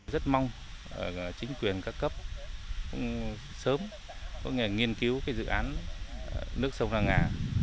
rất mong chính quyền các cấp sớm có nghề nghiên cứu dự án nước sông lan ngà